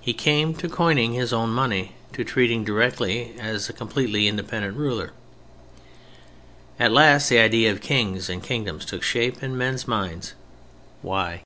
He came to coining his own money, to treating directly as a completely independent ruler. At last the idea of "kings" and "kingdoms" took shape in men's minds. Why?